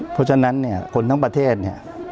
เพราะฉะนั้นเนี่ยคนทั้งประเทศเนี่ย